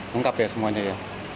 mengkap ya semuanya ya